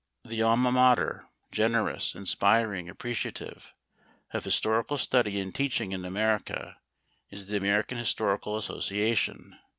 The alma mater, generous, inspiring, appreciative, of historical study and teaching in America, is the American Historical Association.